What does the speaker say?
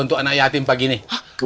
untuk anak yatim pagi ini